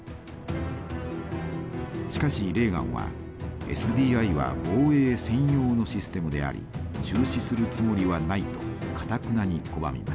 しかしレーガンはＳＤＩは防衛専用のシステムであり中止するつもりはないとかたくなに拒みます。